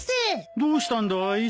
どうしたんだい？